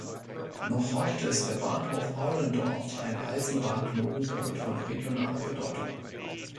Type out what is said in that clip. Noch heute ist der Bahnhof Aulendorf ein Eisenbahnknotenpunkt von regionaler Bedeutung.